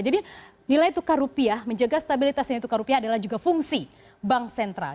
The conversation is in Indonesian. jadi nilai tukar rupiah menjaga stabilitas tukar rupiah adalah juga fungsi bank sentral